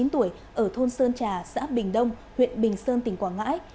bốn mươi tuổi ở thôn sơn trà xã bình đông huyện bình sơn tỉnh quảng ngãi